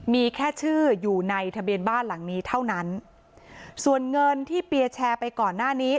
มีแค่ชื่ออยู่ในทะเบียนบ้านหลังนี้เท่านั้นส่วนเงินที่เปียร์แชร์ไปก่อนหน้านี้